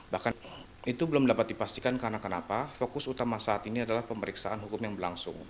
bahkan itu belum dapat dipastikan karena kenapa fokus utama saat ini adalah pemeriksaan hukum yang berlangsung